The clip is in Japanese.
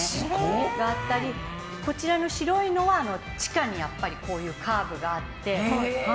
こちらの白いのは地下にこういうカーブがあって。